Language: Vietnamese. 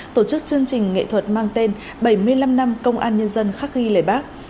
tổ chức chương trình nghệ thuật mang tên bảy mươi năm năm công an nhân dân khắc ghi lời bác